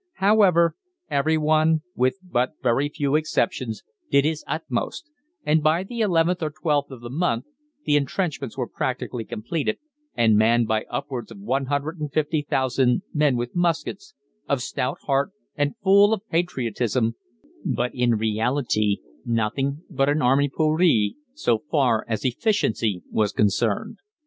However, every one, with but very few exceptions, did his utmost, and by the 11th or 12th of the month the entrenchments were practically completed, and manned by upwards of 150,000 "men with muskets" of stout heart and full of patriotism, but in reality nothing but an army pour rire so far as efficiency was concerned.